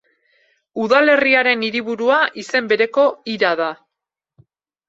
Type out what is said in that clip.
Udalerriaren hiriburua izen bereko hira da.